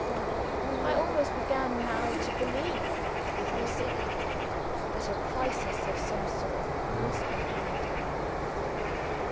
I almost began now to believe, with Lucilla, that a crisis of some sort must be at hand.